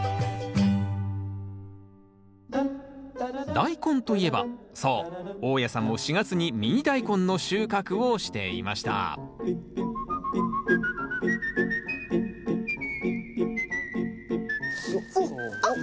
ダイコンといえばそう大家さんも４月にミニダイコンの収穫をしていましたあっ